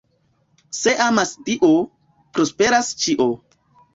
Se amas Dio, prosperas ĉio.